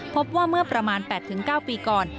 พบว่าเมื่อประมาณ๘๙ปีก่อน